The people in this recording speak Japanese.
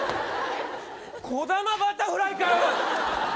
こだまバタフライかよ！